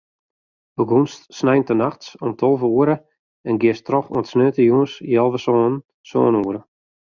Begûnst sneintenachts om tolve oere en giest troch oant sneontejûns healwei sânen, sân oere.